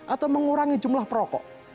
atau mengurangi jumlah rokok